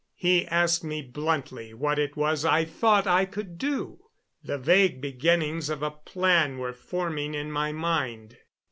He asked me bluntly what it was I thought I could do. The vague beginnings of a plan were forming in my mind.